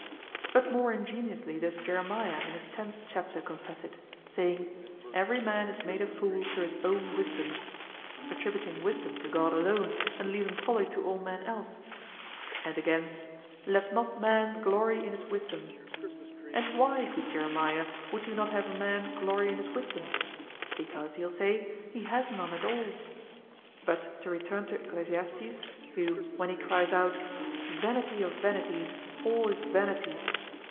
But more ingeniously does Jeremiah in his tenth chapter confess it, saying, "Every man is made a fool through his own wisdom;" attributing wisdom to God alone and leaving folly to all men else, and again, "Let not man glory in his wisdom." And why, good Jeremiah, would you not have a man glory in his wisdom? Because, he'll say, he has none at all. But to return to Ecclesiastes, who, when he cries out, "Vanity of vanities, all is vanity!"